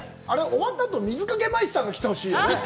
終わったあと水かけマイスターが来てほしいよね。